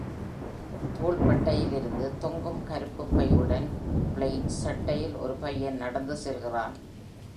தோள்பட்டையில் இருந்து தொங்கும் கருப்பு பையுடன் plaid சட்டையில் ஒரு பையன் நடந்து செல்கிறான்